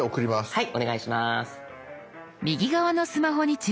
はい。